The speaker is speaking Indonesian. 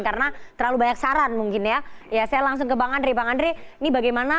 karena terlalu banyak saran mungkin ya ya saya langsung ke bang andre bang andre ini bagaimana